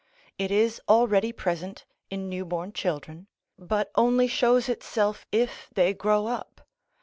It is already present in new born children, but only shows itself if they grow up.